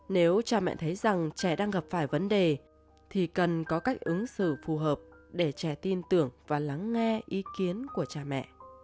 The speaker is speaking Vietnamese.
nếu cha mẹ thấy rằng trẻ đang gặp phải vấn đề thì cần có cách ứng xử phù hợp để trẻ tin tưởng và lắng nghe ý kiến của cha mẹ